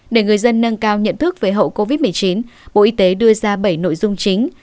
để người dân nâng cao nhận thức về hậu covid một mươi chín bộ y tế đưa ra bảy nội dung chính